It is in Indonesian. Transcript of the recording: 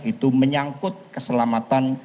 itu menyangkut keselamatan